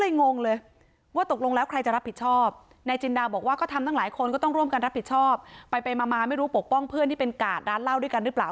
นายจินดาบอกว่าก็ทำทั้งหลายคนก็ต้องร่วมกันรับผิดชอบไปมาไม่รู้ปกป้องเพื่อนที่เป็นกาดร้านเล่าด้วยกันหรือเปล่า